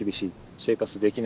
生活できない。